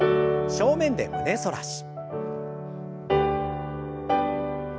正面で胸反らし。